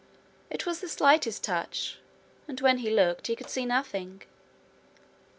It was the slightest touch, and when he looked he could see nothing.